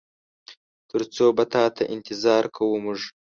تر څو به تاته انتظار کوو مونږ؟